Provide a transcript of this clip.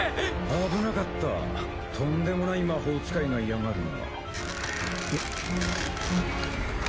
危なかったとんでもない魔法使いがいやがるな。